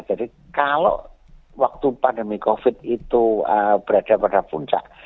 jadi kalau waktu pandemi covid itu berada pada puncak